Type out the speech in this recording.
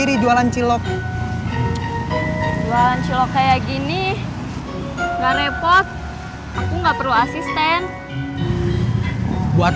sendiri jualan cilok jualan cilok kayak gini enggak repot aku enggak perlu asisten buat